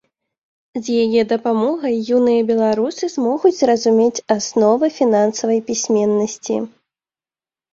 З яе дапамогай юныя беларусы змогуць зразумець асновы фінансавай пісьменнасці.